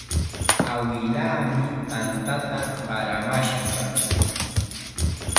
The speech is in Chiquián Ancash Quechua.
Awilaami tanta qaramashqa.